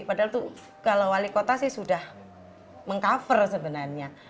padahal tuh kalau wali kota sih sudah meng cover sebenarnya